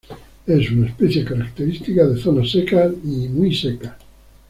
Es una especie característica de zonas secas y muy secas.